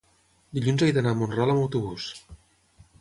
dilluns he d'anar a Mont-ral amb autobús.